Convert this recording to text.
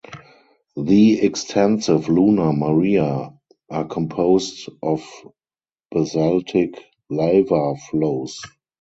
The extensive lunar maria are composed of basaltic lava flows.